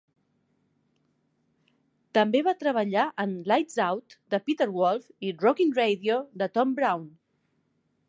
També va treballar en "Lights Out" de Peter Wolf i "Rockin' Radio" de Tom Browne.